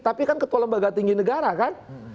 tapi kan ketua lembaga tinggi negara kan